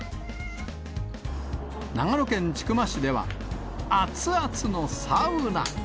長野県千曲市では、熱々のサウナ。